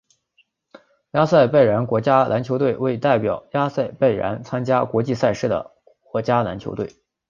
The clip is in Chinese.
亚塞拜然国家篮球队为代表亚塞拜然参加国际赛事的国家篮球队。